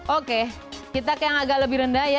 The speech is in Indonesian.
oke kita ke yang agak lebih rendah ya